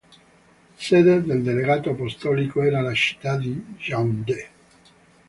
Sede del delegato apostolico era la città di Yaoundé.